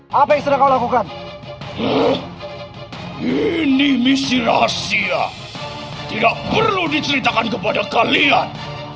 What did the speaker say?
hai apa yang kau lakukan ini misi rahasia tidak perlu diceritakan kepada kalian